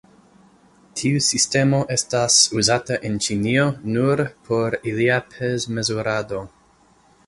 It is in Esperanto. Tiu sistemo estas uzata en Ĉinio nur por ilia pez-mezurado.